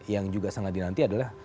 yang juga sangat dinanti adalah